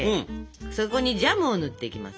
そこにジャムを塗っていきます。